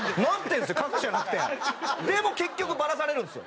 でも結局バラされるんですよ。